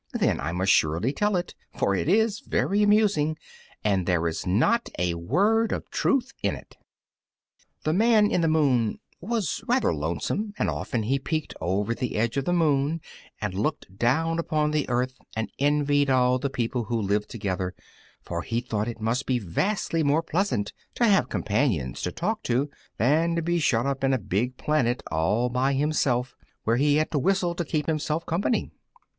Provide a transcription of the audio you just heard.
Then I must surely tell it, for it is very amusing, and there is not a word of truth in it. The Man in the Moon was rather lonesome, and often he peeked over the edge of the moon and looked down upon the earth and envied all the people who lived together, for he thought it must be vastly more pleasant to have companions to talk to than to be shut up in a big planet all by himself, where he had to whistle to keep himself company.